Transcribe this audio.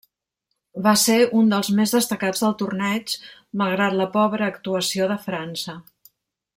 Va ser un dels més destacats del torneig, malgrat la pobra actuació de França.